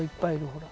ほら。